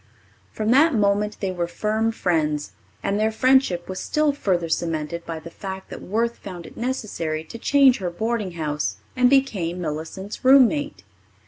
From that moment they were firm friends, and their friendship was still further cemented by the fact that Worth found it necessary to change her boarding house and became Millicent's roommate.